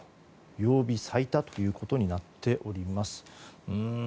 曜日最多ということになっております。